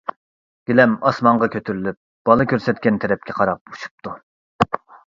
گىلەم ئاسمانغا كۆتۈرۈلۈپ، بالا كۆرسەتكەن تەرەپكە قاراپ ئۇچۇپتۇ.